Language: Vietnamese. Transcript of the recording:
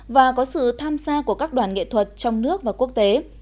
và có sự tham gia của các đoàn nghệ thuật trong nước và quốc tế